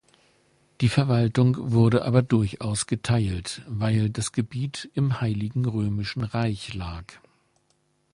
Die Verwaltung wurde aber durchaus geteilt, weil das Gebiet im Heiligen Römischen Reich lag.